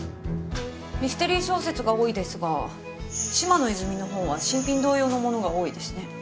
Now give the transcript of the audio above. ミステリー小説が多いですが嶋野泉水の本は新品同様のものが多いですね。